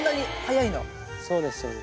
そうですね。